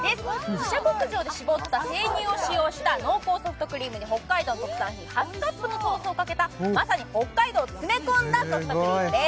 自社牧場で搾った生乳を使用した濃厚ソフトクリームに、北海道特産のハスカップのソースをかけた、まさに北海道を詰め込んだソフトクリームです。